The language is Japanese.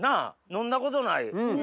飲んだことない。